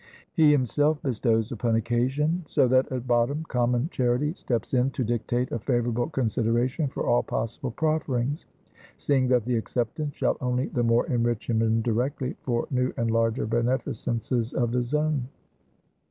He himself bestows upon occasion; so that, at bottom, common charity steps in to dictate a favorable consideration for all possible profferings; seeing that the acceptance shall only the more enrich him, indirectly, for new and larger beneficences of his own.